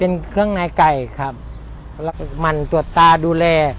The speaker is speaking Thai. เป็นเครื่องในไก่ครับแล้วก็หมั่นตรวจตาดูแล